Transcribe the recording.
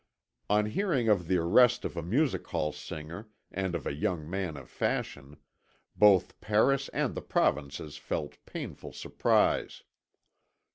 On hearing of the arrest of a music hall singer and of a young man of fashion, both Paris and the provinces felt painful surprise.